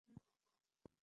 আমাদের অফিসার মারা গেছে।